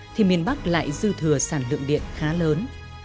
thì miền bắc lại dư thừa sản lượng điện khá lớn